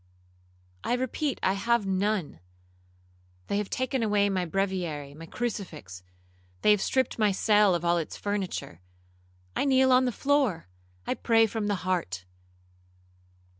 '—'I repeat I have none. They have taken away my breviary, my crucifix;—they have stript my cell of all its furniture. I kneel on the floor—I pray from the heart.